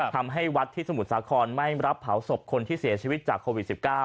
ทำให้วัดที่สมุทรสาครไม่รับเผาศพคนที่เสียชีวิตจากโควิด๑๙